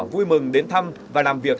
vui mừng đến thăm và làm việc